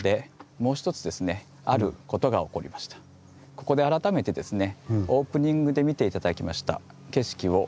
ここで改めてですね